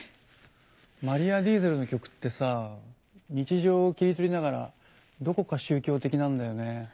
マリア・ディーゼルの曲ってさ日常を切り取りながらどこか宗教的なんだよね。